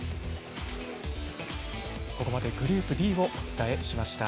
ここまでグループＤをお伝えしました。